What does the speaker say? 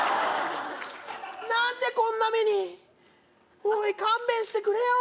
何でこんな目におい勘弁してくれよ